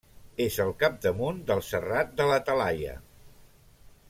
És al capdamunt del Serrat de la Talaia.